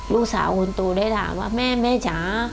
ลูกสาวคุณโตได้ถามว่าแม่จ๊ะ